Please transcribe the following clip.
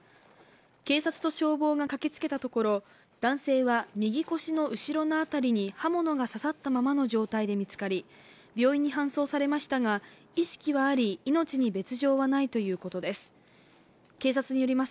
警察と消防が駆けつけたところ、男性は右腰の後ろの辺りに刃物が刺さったままの状態で見つかり病院に搬送されましたが意識はあり、命に別状はないということです。